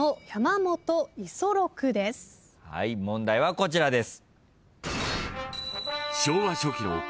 問題はこちらです。